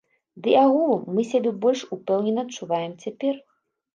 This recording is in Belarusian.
Ды і агулам, мы сябе больш упэўнена адчуваем цяпер.